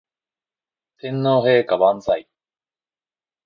天皇陛下万歳